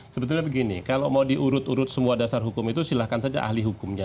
sebetulnya begini kalau mau diurut urut semua dasar hukum itu silahkan saja ahli hukumnya